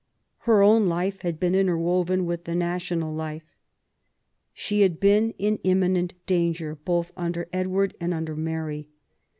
Her own life had been interwoven with the national life. She had been in imminent danger, both under Edward and under Mary.